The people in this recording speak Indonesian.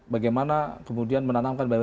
bagaimana kemudian menanamkan